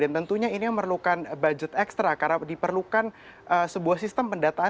dan tentunya ini memerlukan budget ekstra karena diperlukan sebuah sistem pendataan